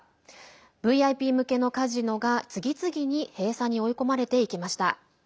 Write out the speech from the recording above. ＶＩＰ向けのカジノが次々に閉鎖に追い込まれていきました。